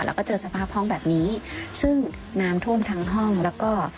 แล้วก็เจอสภาพห้องแบบนี้ซึ่งน้ำท่วมทั้งห้องแล้วก็